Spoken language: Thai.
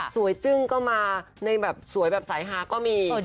สวยจึ้งก็มาสวยใสฮาก็มี